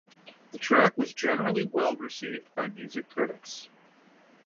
The track was generally well received by music critics.